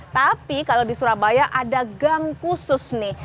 tapi kalau di surabaya ada gang khusus nih